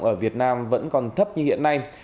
ở việt nam vẫn còn thấp như hiện nay